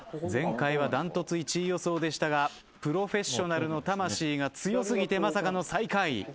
前回は断トツ１位予想でしたがプロフェッショナルの魂が強過ぎてまさかの最下位。